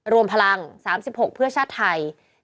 รวมพลัง๓๖เพื่อชาติไทย